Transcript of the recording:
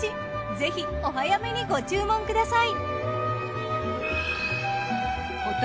ぜひお早めにご注文ください。